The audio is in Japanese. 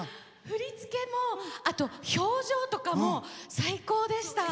振り付けも、あと表情とかも最高でした。